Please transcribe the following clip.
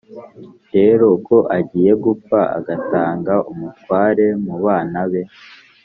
rero ko agiye gupfa, agatanga umutware mu bana be